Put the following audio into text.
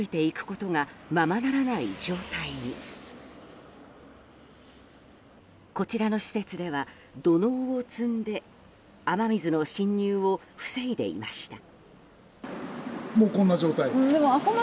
こちらの施設では土のうを積んで雨水の侵入を防いでいました。